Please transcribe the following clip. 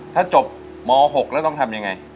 ถ้าจบม๖แล้วต้องทำยังไง